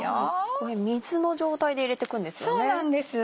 これ水の状態で入れていくんですよね。